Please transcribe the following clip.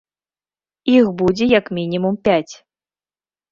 Іх будзе як мінімум пяць.